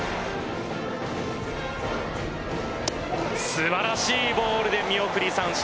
素晴らしいボールで見送り三振